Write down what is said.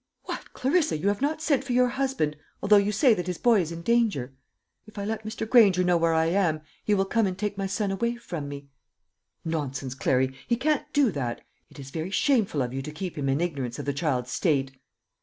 "What, Clarissa! you have not sent for your husband, although you say that his boy is in danger?" "If I let Mr. Granger know where I am, he will come and take my son away from me." "Nonsense, Clary; he can't do that. It is very shameful of you to keep him in ignorance of the child's state."